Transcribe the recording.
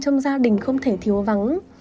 trong gia đình không thể thiếu vắng